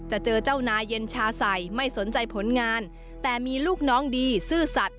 เจอเจ้านายเย็นชาใส่ไม่สนใจผลงานแต่มีลูกน้องดีซื่อสัตว